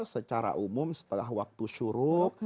secara umum setelah waktu syuruk